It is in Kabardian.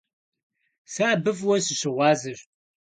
Сэ абы фӀыуэ сыщыгъуазэщ!